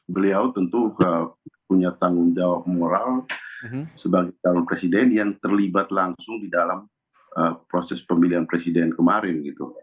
beliau tentu punya tanggung jawab moral sebagai calon presiden yang terlibat langsung di dalam proses pemilihan presiden kemarin